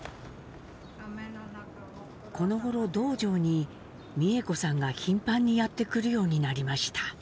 このごろ洞場に美江子さんが頻繁にやって来るようになりました。